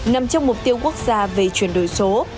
nằm trong mục tiêu quốc gia về chuyển đổi số